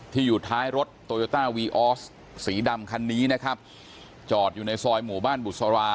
ที่อยู่ท้ายรถสีดำคันนี้นะครับจอดอยู่ในซอยหมู่บ้านบุษรา